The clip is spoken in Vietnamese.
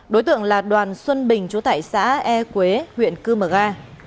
đối tượng là đoàn xuân bình chủ tải xã e quế huyện cư mờ ga